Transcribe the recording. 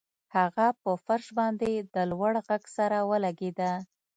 هغه په فرش باندې د لوړ غږ سره ولګیده